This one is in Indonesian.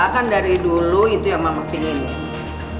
kan dari dulu itu yang mama pingin